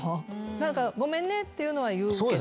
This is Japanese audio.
ごめんねっていうのは言うけど。